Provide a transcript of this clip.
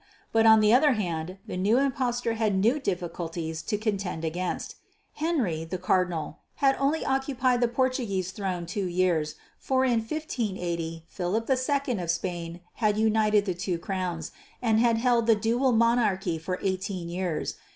But on the other hand the new impostor had new difficulties to contend against. Henry, the Cardinal, had only occupied the Portuguese throne two years, for in 1580 Philip II of Spain had united the two crowns, and had held the dual monarchy for eighteen years.